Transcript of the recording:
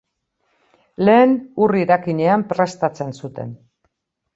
Lehen ur irakinean prestatzen zuten.